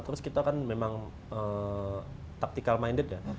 terus kita kan memang taktikal minded ya